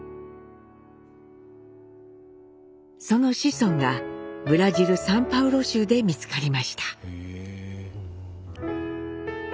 その子孫がブラジルサンパウロ州で見つかりました。